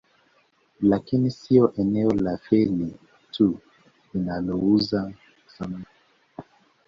Lakini sio eneo la Feli tu linalouza samaki